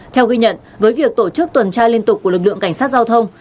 theo ghi nhận với việc tổ chức tuần tra liên tục của lực lượng cảnh sát giao thông